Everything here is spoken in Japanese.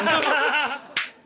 ハハハハ！